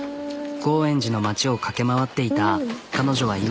高円寺の街を駆け回っていた彼女は今。